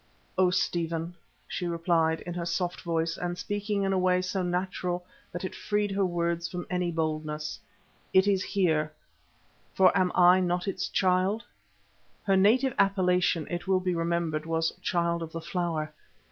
"O Stephen," she replied, in her soft voice and speaking in a way so natural that it freed her words from any boldness, "it is here, for am I not its child" her native appellation, it will be remembered, was "Child of the Flower."